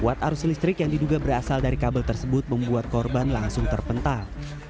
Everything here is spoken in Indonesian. kuat arus listrik yang diduga berasal dari kabel tersebut membuat korban langsung terpental